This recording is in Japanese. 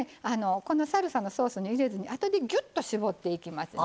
このサルサのソースに入れずにあとでギュッと搾っていきますね。